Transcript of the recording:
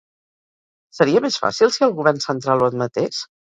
Seria més fàcil si el govern central ho admetés?